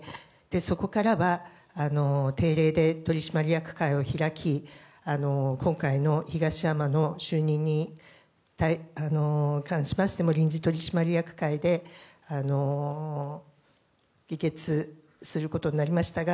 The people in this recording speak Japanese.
そこからは定例で取締役会を開き今回の東山の就任に関しましても臨時取締役会で議決することになりましたが